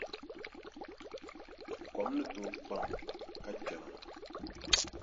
Kom ni tooi kpaŋ ka kpɛma.